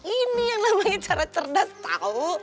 ini yang namanya cara cerdas tahu